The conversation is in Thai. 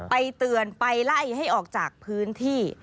ไปเตือนไปไล่ให้ออกจากพื้นที่